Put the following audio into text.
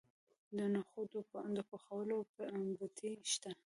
د نخودو د پخولو بټۍ شته.